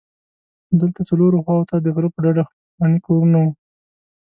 دلته څلورو خواوو ته د غره په ډډه پخواني کورونه وو.